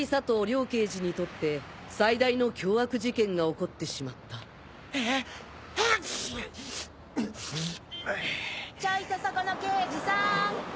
両刑事にとって最大の凶悪事件が起こってしまったちょいとそこの刑事さん。